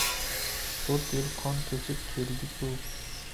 To‘rt yil qon kechib keldi-ku!